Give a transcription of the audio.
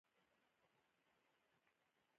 ایا دا شیان خطر لري؟